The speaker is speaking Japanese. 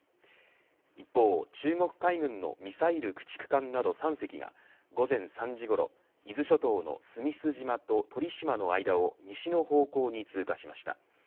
一方、中国海軍のミサイル駆逐艦など３隻が午前３時ごろ伊豆諸島の須美寿島と鳥島の間を西の方向に通過しました。